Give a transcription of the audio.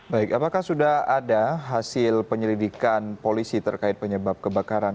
baik apakah sudah ada hasil penyelidikan polisi terkait penyebab kebakaran